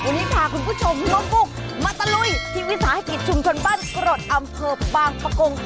วันนี้พาคุณผู้ชมน้องกุ้งมาตะลุยที่วิสาหกิจชุมชนบ้านกรดอำเภอบางปะกง